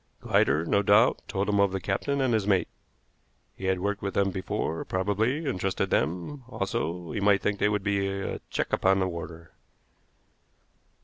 Glider, no doubt, told him of the captain and his mate. He had worked with them before, probably, and trusted them; also, he might think they would be a check upon the warder.